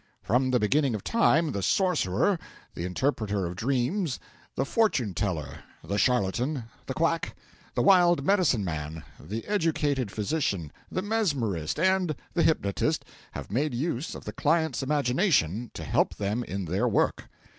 From the beginning of time, the sorcerer, the interpreter of dreams, the fortune teller, the charlatan, the quack, the wild medicine man, the educated physician, the mesmerist, and the hypnotist have made use of the client's imagination to help them in their work.